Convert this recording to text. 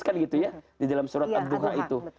kan gitu ya di dalam surat abduha itu